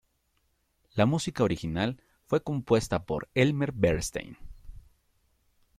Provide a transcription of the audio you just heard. La música original fue compuesta por Elmer Bernstein.